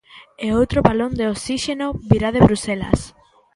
E outro balón de osíxeno virá de Bruxelas.